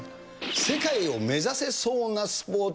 世界を目指せそうなスポーツ！